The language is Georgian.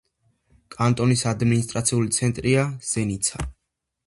კანტონის ადმინისტრაციული ცენტრია ზენიცა.